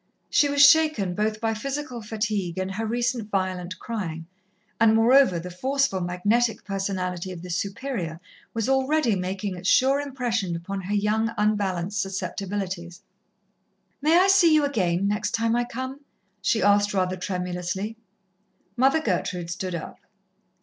She was shaken both by physical fatigue and her recent violent crying, and moreover, the forceful, magnetic personality of the Superior was already making its sure impression upon her young, unbalanced susceptibilities. "May I see you again, next time I come?" she asked rather tremulously. Mother Gertrude stood up.